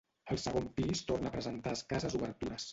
El segon pis torna a presentar escasses obertures.